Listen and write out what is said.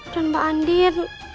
dan mbak andin